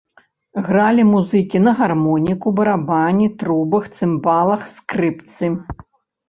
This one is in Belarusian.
Гралі музыкі на гармоніку, барабане, трубах, цымбалах, скрыпцы.